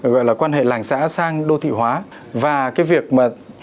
gọi là quan hệ làng xã sang đô thị hóa và cái việc mà